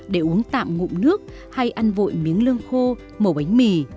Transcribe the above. để uống tạm ngụm nước hay ăn vội miếng lương khô màu bánh mì